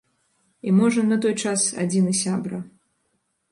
І, можа, на той час адзіны сябра.